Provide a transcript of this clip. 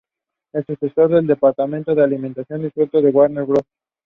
Superior is at the western end of Lake Superior in northwestern Wisconsin.